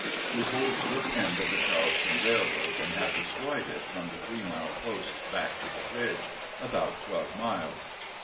We hold this end of the Charleston Railroad, and have destroyed it from the three mile post back to the bridge (about twelve miles).